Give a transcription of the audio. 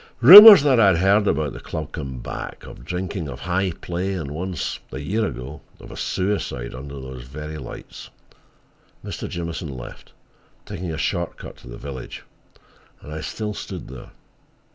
Rumors that I had heard about the club came back—of drinking, of high play, and once, a year ago, of a suicide under those very lights. Mr. Jamieson left, taking a short cut to the village, and I still stood there.